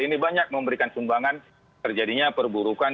ini banyak memberikan sumbangan terjadinya perburukan